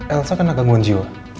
elsa kena kegung jiwa